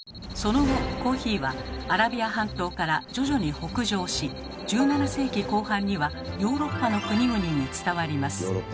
その後コーヒーはアラビア半島から徐々に北上し１７世紀後半にはヨーロッパの国々に伝わります。